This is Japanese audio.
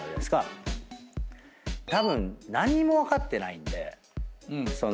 たぶん何にも分かってないんで。